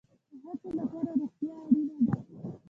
د هڅې لپاره روغتیا اړین ده